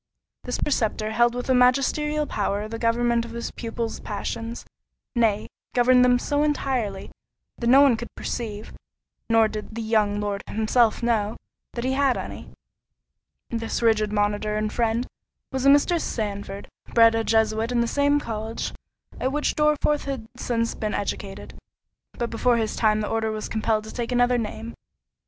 This preceptor held with a magisterial power the government of his pupil's passions; nay, governed them so entirely, that no one could perceive (nor did the young Lord himself know) that he had any. This rigid monitor and friend was a Mr. Sandford, bred a Jesuit in the same college at which Dorriforth had since been educated, but before his time the order was compelled to take another name.